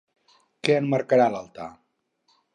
Què emmarcarà l'altar?